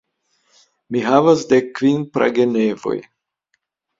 Mi havas dekkvin pragenevoj.